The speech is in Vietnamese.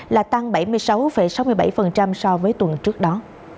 là tăng bảy mươi sáu sáu mươi bảy so với tuần trước đó